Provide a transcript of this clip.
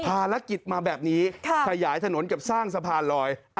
ภารกิจมาแบบนี้ขยายถนนกับสร้างสะพานลอย